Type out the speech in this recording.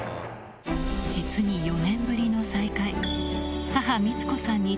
実に４年ぶりの再会。